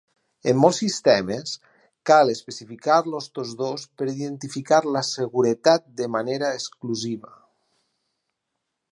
En molts sistemes, cal especificar-los tots dos per identificar la seguretat de manera exclusiva.